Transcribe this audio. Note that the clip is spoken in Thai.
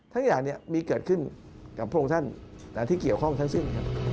อย่างมีเกิดขึ้นกับพระองค์ท่านที่เกี่ยวข้องทั้งสิ้น